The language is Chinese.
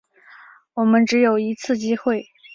我们只有一次机会